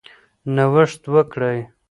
نوښت وکړئ.